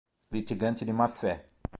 litigante de má-fé